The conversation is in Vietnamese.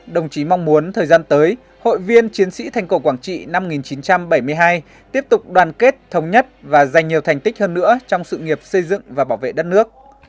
đồng chí mong muốn thời gian tới hội viên chiến sĩ thành cổ quảng trị năm một nghìn chín trăm bảy mươi hai tiếp tục đoàn kết thống nhất và dành nhiều thành tích hơn nữa trong sự nghiệp xây dựng và bảo vệ đất nước